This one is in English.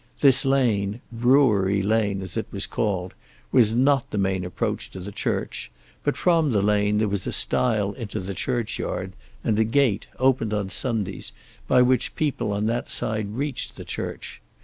This lane, Brewery lane, as it was called, was not the main approach to the church; but from the lane there was a stile into the churchyard, and a gate, opened on Sundays, by which people on that side reached the church.